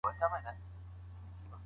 خاطب به غلط معلومات ورنه کړي.